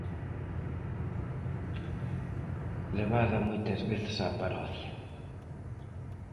Levada moitas veces á parodia.